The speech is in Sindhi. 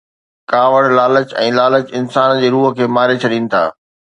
ڪاوڙ، لالچ ۽ لالچ انسان جي روح کي ماري ڇڏين ٿا